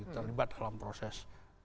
terlibat dalam proses